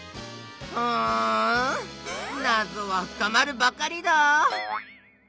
うんなぞは深まるばかりだ。